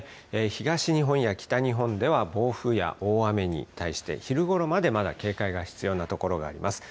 東日本や北日本では暴風や大雨に対して昼ごろまで、まだ警戒が必要になります。